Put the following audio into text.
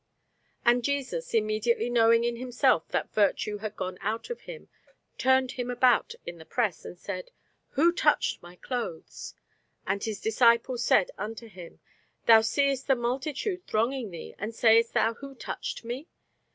And Jesus, immediately knowing in himself that virtue had gone out of him, turned him about in the press, and said, Who touched my clothes? And his disciples said unto him, Thou seest the multitude thronging thee, and sayest thou, Who touched me?